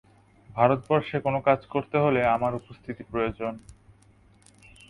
ভারতবর্ষে কোন কাজ করতে হলে, আমার উপস্থিতি প্রয়োজন।